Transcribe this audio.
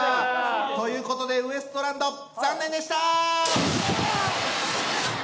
ということでウエストランド残念でした！